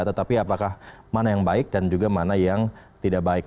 tetapi apakah mana yang baik dan juga mana yang tidak baik